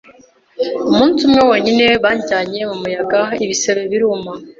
umunsi umwe wonyine banjyanye mu muyaga, ibisebe biruma,